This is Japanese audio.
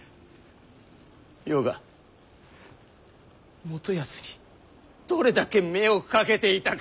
余が元康にどれだけ目をかけていたか！